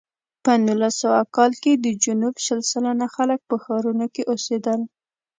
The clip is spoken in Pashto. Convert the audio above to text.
په نولس سوه کال کې د جنوب شل سلنه خلک په ښارونو کې اوسېدل.